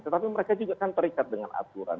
tetapi mereka juga kan terikat dengan aturan